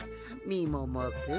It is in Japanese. みももくん